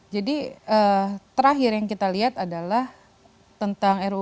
jadi terakhir yang kita lihat adalah tentang ruu ibu kota